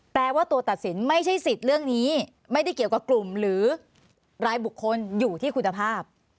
แปลว่าตัวตัดสินไม่ใช่สิทธิ์เรื่องนี้ไม่ได้เกี่ยวกับกลุ่มหรือรายบุคคลอยู่ที่คุณภาพ